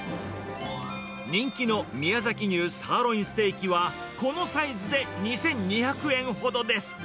人気の宮崎牛サーロインステーキは、このサイズで２２００円ほどです。